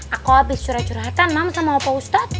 aku habis curhat curhatan mam sama pak ustadz